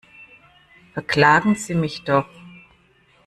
Verklagen Sie mich doch!